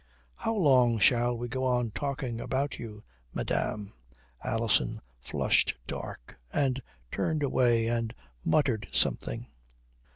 "How long shall we go on talking about you, madame?" Alison flushed dark, and turned away and muttered something.